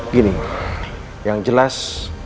gini yang jelas